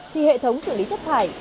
thì hệ thống xử lý chất thải